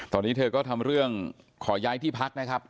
ตอนนี้เธอก็ทำเรื่องขอย้ายที่พักนะครับ